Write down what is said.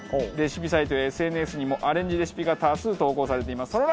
レシピサイトやＳＮＳにもアレンジレシピが多数投稿されています。